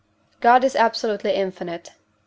God is absolutely infinite (I.